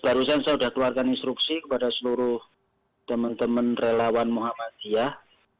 barusan saya sudah keluarkan instruksi kepada seluruh teman teman relawan muhammadiyah